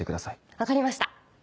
分かりました！